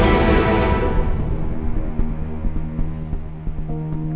saya minum dari waktunya